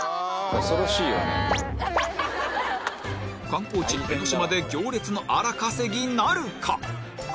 観光地江の島で行列の荒稼ぎなるか？